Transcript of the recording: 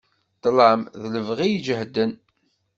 Tlam lebɣi ijehden.